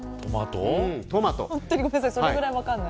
本当にごめんなさいそれぐらい分からない。